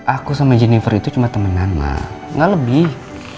aku sama jennifer itu cuma temenan mah gak lebih